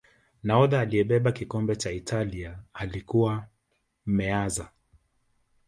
nahodha aliyebeba kikombe cha italia alikuwa Meazza